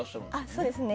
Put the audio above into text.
そうですね。